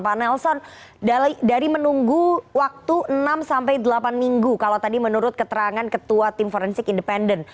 pak nelson dari menunggu waktu enam sampai delapan minggu kalau tadi menurut keterangan ketua tim forensik independen